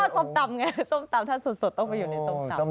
ส้มตำไงส้มตำถ้าสดต้องไปอยู่ในส้มตำ